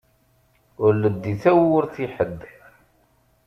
Ur leddi tawwurt i ḥedd!